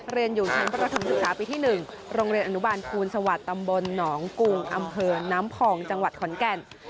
เรียนอยู่ชั้นประถมศึกษาปีที่๑โรงเรียนอนุบาลภูลสวัสดิ์ตำบลหนองกุงอำเภอน้ำพองจังหวัดขอนแก่น